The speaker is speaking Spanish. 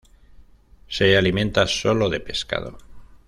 Se alimenta sólo de pescado.